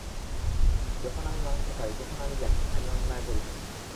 যখন আমি মাংস খাই, তখন আমি জানি, আমি অন্যায় করিতেছি।